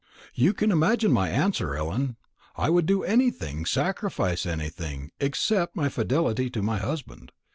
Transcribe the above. "You can imagine my answer, Ellen. I would do anything, sacrifice anything, except my fidelity to my husband.